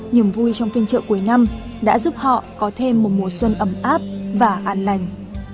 niềm vui trong phiên chợ cuối năm đã giúp họ có thêm một mùa xuân ấm áp và an lành